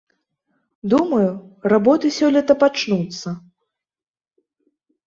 Думаю, работы сёлета пачнуцца.